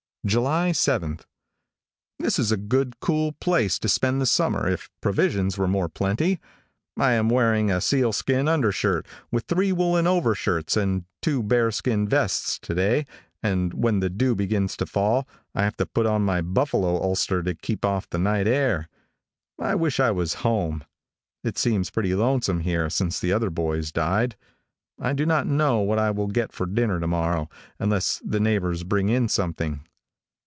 July 7. This is a good, cool place to spend the summer if provisions were more plenty. I am wearing a seal skin undershirt with three woolen overshirts and two bear skin vests, to day, and when the dew begins to fall, I have to put on my buffalo ulster to keep off the night air. I wish I was home. It seems pretty lonesome here since the other boys died. I do not know what I will get for dinner to morrow, unless the neighbors bring in something.